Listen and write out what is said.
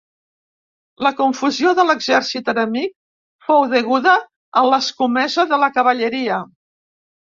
La confusió de l'exèrcit enemic fou deguda a l'escomesa de la cavalleria.